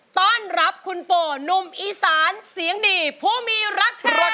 ต้อนรับคุณโฟนุ่มอีสานเสียงดีผู้มีรักทร